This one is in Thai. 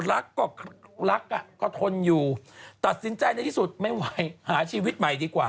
รักก็รักอ่ะก็ทนอยู่ตัดสินใจในที่สุดไม่ไหวหาชีวิตใหม่ดีกว่า